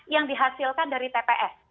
yang dihasilkan dari tps